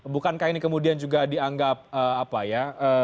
bukankah ini kemudian juga dianggap apa ya